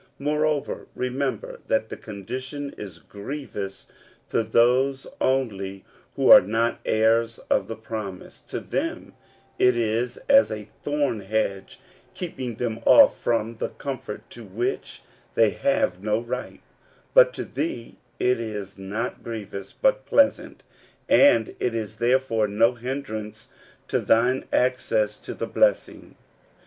M oreover, remem ber that the condition is grievous to those only who are not heirs of the promise : to them it is as a thorn hedge, keeping them off from the comfort to which they have no right ; but to thee it is not grievous, but pleasant, and it is therefore no hind rance to thine access to the blessing.